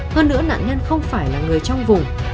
hơn nữa nạn nhân không phải là người trong vùng